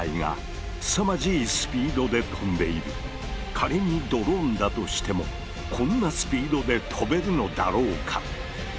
仮にドローンだとしてもこんなスピードで飛べるのだろうか。